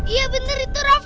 iya bener itu rafa